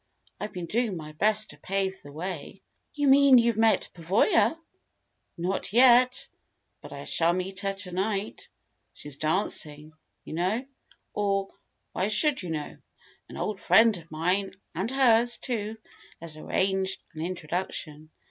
I've been doing my best to pave the way." "You mean you've met Pavoya?' "Not yet. But I shall meet her to night. She's dancing, you know. Or why should you know? An old friend of mine and hers, too has arranged an introduction.